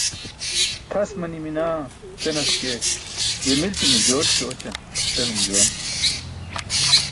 "tʰas manimi naa" senas ke "ye milcumuc jooṭiśo oćan" senum juwan.